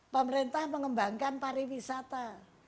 pemerintah mengembangkan pariwisata